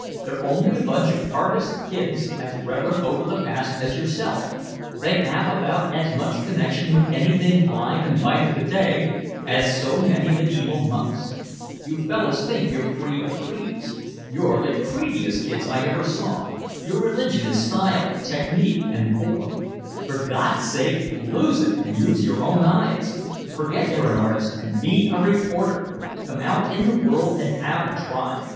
They're only a bunch of artist kids as reverent over the past as yourself, they have about as much connection with anything live and vital to day as so many mediæval monks. You fellahs think you're free of creeds. You're the creediest kids I ever saw, your religion is style, technique and form. For God's sake lose it and use your own eyes, forget you're an artist and be a reporter, come out in the world and have a try.